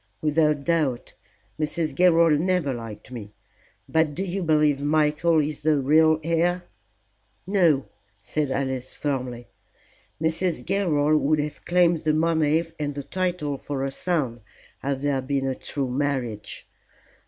"Without doubt. Mrs. Gilroy never liked me. But do you believe Michael is the real heir?" "No," said Alice, firmly. "Mrs. Gilroy would have claimed the money and the title for her son had there been a true marriage.